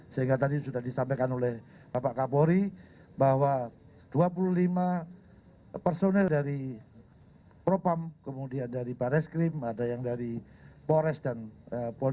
sehingga tadi sudah disampaikan oleh bapak kabori bahwa dua puluh lima personel dari propam kemudian dari bar eskrim ada yang dari pores dan polres